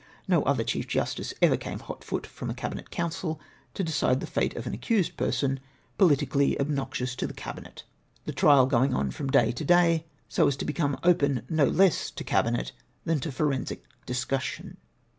Xo other Chief Justice ever came hot foot from a Cabinet Council to decide the fate of an accused person, politically ob noxious to the Cabinet ; the trial going on from day to day, so as to become open no less to Cabinet than to forensic discussion.